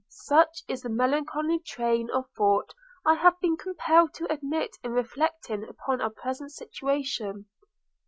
Such is the melancholy train of thought I have been compelled to admit in reflecting on our present situation.